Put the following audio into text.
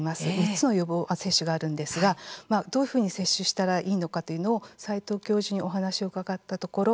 ６つの予防接種があるんですがどういうふうに接種したらいいのかというのを齋藤教授にお話を伺ったところ